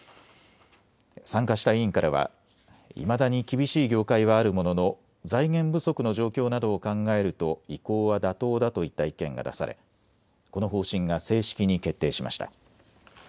参加した委員からはいまだに厳しい業界はあるものの財源不足の状況などを考えると移行は妥当だといった意見が出され、この方針が正式に決定しました。